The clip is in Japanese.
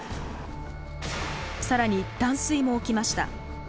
更に断水も起きました。